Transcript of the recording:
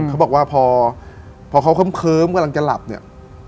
เขาบอกว่าพอเขาเคิ้มกำลังจะหลับเนี่ย